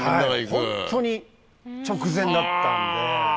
ホントに直前だったんで。